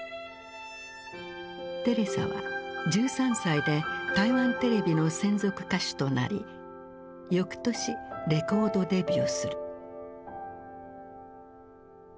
テレサは１３歳で台湾テレビの専属歌手となり翌年レコードデビューする。